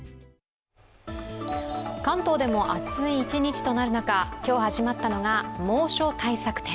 関東でも暑い一日となる中、今日始まったのが猛暑対策展。